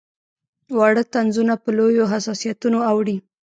واړه طنزونه په لویو حساسیتونو اوړي.